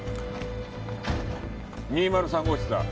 ２０３号室だ。